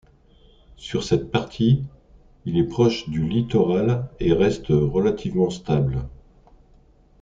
Sur cette partie, il est proche du littoral et reste relativement stable.